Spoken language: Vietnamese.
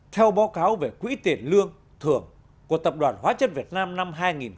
theo báo cáo về quỹ tiền lương thưởng của tập đoàn hóa chất việt nam năm hai nghìn một mươi tám